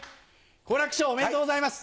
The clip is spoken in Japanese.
好楽師匠おめでとうございます。